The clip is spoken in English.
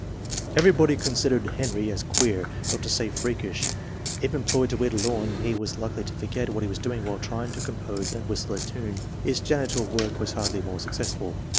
Everybody considered Henry as queer, not to say freakish. If employed to weed a lawn he was likely to forget what he was doing while trying to compose and whistle a tune. His janitor work was hardly more successful.